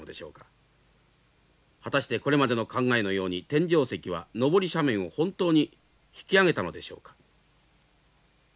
果たしてこれまでの考えのように天井石は上り斜面を本当に引き上げたのでしょうか。